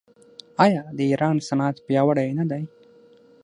آیا د ایران صنعت پیاوړی نه دی؟